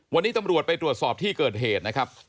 วันนี้ตำรวจไปตรวจสอบที่เกิดเหตุนะครับ